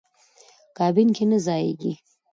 کابین کې نه ځایېږي.